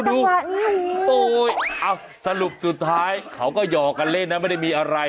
ดูโอ้โฮสรุปสุดท้ายเขาก็หยอกกันเล่นนะไม่ได้มีอะไร